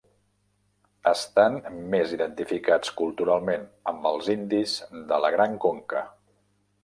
Estan més identificats culturalment amb els indis de la Gran Conca.